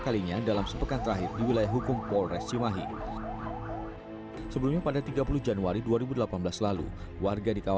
hal terakhir di seterusnya ayat bertanya